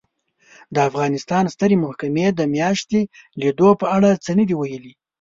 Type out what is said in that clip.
د افغانستان سترې محکمې د میاشتې لیدو په اړه څه نه دي ویلي